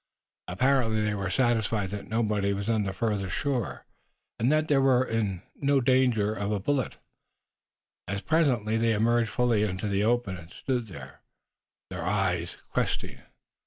Apparently they were satisfied that no one was on the farther shore, and that they were in no danger of a bullet, as presently they emerged fully into the open, and stood there, their eyes questing.